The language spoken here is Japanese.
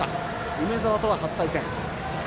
梅澤とは初対戦。